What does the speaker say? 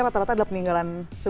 rata rata adalah peninggalan